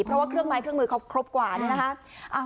เพราะว่าเครื่องไม้เครื่องมือเขาครบกว่านี่นะคะ